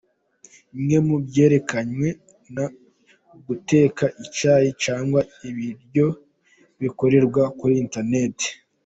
Bimwe mu byerekanywe ni uguteka icyayi cyangwa ibiryo, bikorerwa kuri internet.